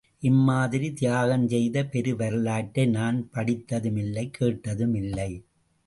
இம்மாதிரி தியாகம் செய்த பெரு வரலாற்றை நான் படித்ததும் இல்லை, கேட்டதும் இல்லை.